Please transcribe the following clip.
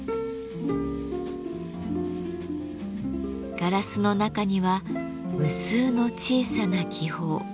ガラスの中には無数の小さな気泡。